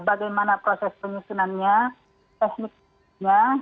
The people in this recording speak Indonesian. bagaimana proses penyusunannya tekniknya